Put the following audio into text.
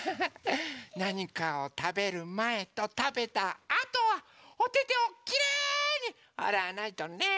なにかをたべるまえとたべたあとはおててをきれいにあらわないとね！